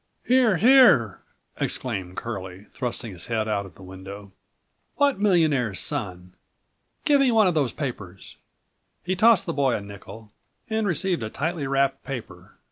"Here! Here!" exclaimed Curlie, thrusting his head out of the window. "What millionaire's son? Give me one of those papers." He tossed the boy a nickel and received a tightly wrapped paper.